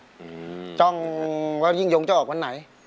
จ้องว่ายิ่งยงจะออกวันไหน